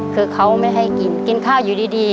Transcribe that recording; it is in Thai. คือเขาไม่ให้กินกินข้าวอยู่ดี